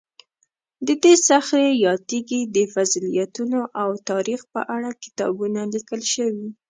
د دې صخرې یا تیږې د فضیلتونو او تاریخ په اړه کتابونه لیکل شوي.